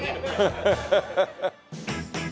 ハハハハ。